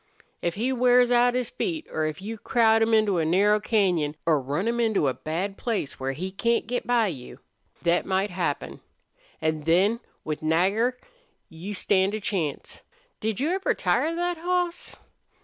If he wears out his feet, or if you crowd him into a narrow cañon, or run him into a bad place where he can't get by you. Thet might happen. An' then, with Nagger, you stand a chance. Did you ever tire thet hoss?"